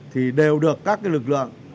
thì đều được các lực lượng